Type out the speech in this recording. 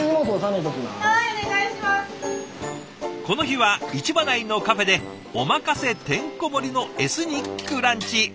この日は市場内のカフェでおまかせてんこ盛りのエスニックランチ。